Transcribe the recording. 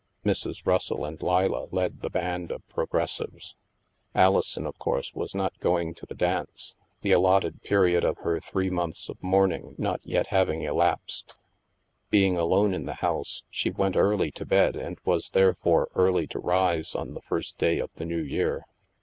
Mrs. Russell and Leila led the band of progressives. Alison, of course, was not going to the dance, the alloted period of her three months of mourning not yet having elapsed. Being alone in the house, she went early to bed and was therefore early to rise on the first day of the New Year.